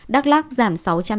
đắk lắc giảm sáu trăm sáu mươi hai